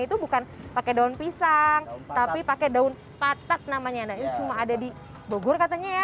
ini bukan pakai daun pisang tapi pakai daun patat namanya cuma ada di bogor katanya ya